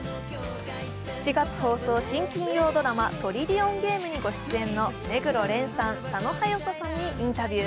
７月放送、新金曜ドラマ「トリリオンゲーム」にご出演の目黒蓮さん、佐野勇斗さんにインタビュー。